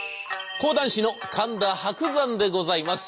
講談師の神田伯山でございます。